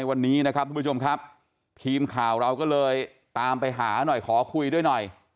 คุณผู้ชมครับทีมข่าวเราก็เลยตามไปหาหน่อยขอคุยด้วยหน่อย